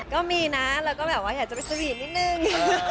ก็มีนะแล้วก็แบบว่าอยากจะไปสวีทนิดนึง